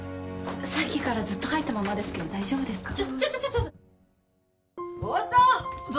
さっきからずっと入ったままですけど大丈夫ですか音！